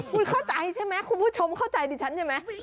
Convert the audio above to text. คุณเข้าใจใช่ไหมคุณผู้ชมเข้าใจดิฉันใช่ไหม